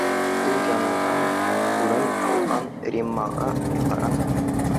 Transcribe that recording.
— Ул янынан урын алған Риммаға ҡараны